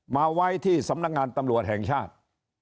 มาไว้ที่สำนักงานตำรวจแห่งชาติ